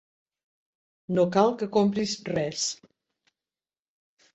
No cal que compris res.